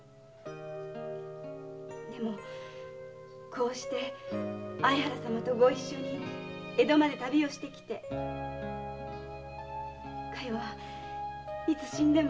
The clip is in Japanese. でもこうして相原様とご一緒に江戸まで旅をしてきて加代はいつ死んでも。